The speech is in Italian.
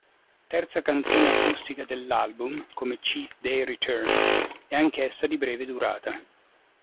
Terza canzone acustica dell'album, come "Cheap Day Return", è anch'essa di breve durata.